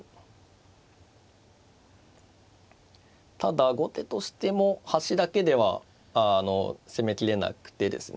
ただ後手としても端だけでは攻めきれなくてですね